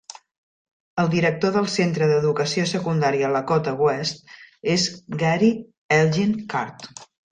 El director del centre d'educació secundària Lakota West és Gary Elgin Card.